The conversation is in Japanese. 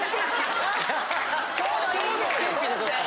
ちょうどいいんですよ。